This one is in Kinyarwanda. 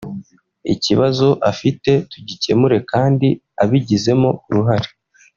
ikibazo afite tugikemure kandi abigizemo uruhare